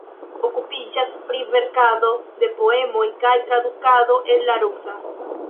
Okupiĝas pri verkado de poemoj kaj tradukado el la rusa.